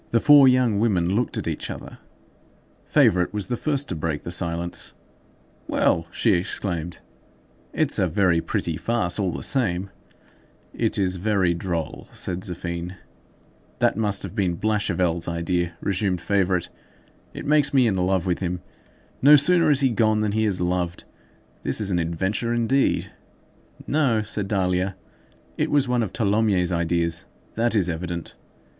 The four young women looked at each other. Favourite was the first to break the silence. "Well!" she exclaimed, "it's a very pretty farce, all the same." "It is very droll," said Zéphine. "That must have been Blachevelle's idea," resumed Favourite. "It makes me in love with him. No sooner is he gone than he is loved. This is an adventure, indeed." "No," said Dahlia; "it was one of Tholomyès' ideas. That is evident.